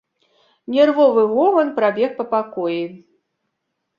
Нервовы гоман прабег па пакоі.